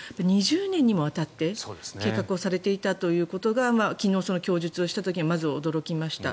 ２０年にもわたって計画されていたということが昨日、供述をした時にまず驚きました。